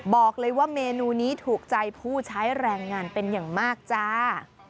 บอกเลยว่าเมนูนี้ถูกใจผู้ใช้แรงงานเป็นอย่างมากจ้า